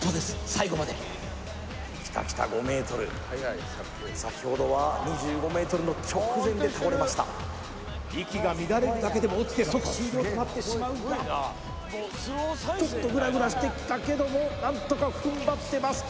最後まできたきた５ｍ先ほどは２５ｍの直前で倒れました息が乱れるだけでも落ちて即終了となってしまうがちょっとグラグラしてきたけども何とか踏ん張ってます